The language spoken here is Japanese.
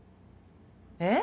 えっ？